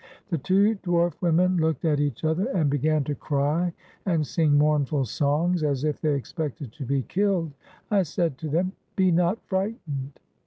The two dwarf women looked at each other, and be gan to cry and sing mournful songs, as if they expected to be killed. I said to them, "Be not frightened!"